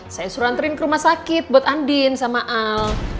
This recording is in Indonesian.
saya suranterin ke rumah sakit buat andin sama al